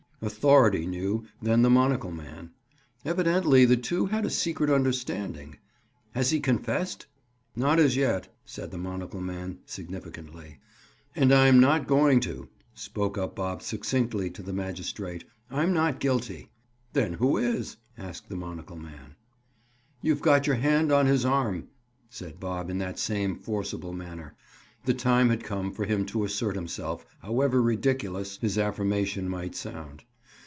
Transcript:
Authority knew, then, the monocle man. Evidently the two had a secret understanding. "Has he confessed?" "Not as yet," said the monocle man significantly. "And I'm not going to," spoke up Bob succinctly to the magistrate. "I'm not guilty." "Then who is?" asked the monocle man. "You've got your hand on his arm," said Bob in that same forcible manner. The time had come for him to assert himself, however ridiculous his affirmation might sound.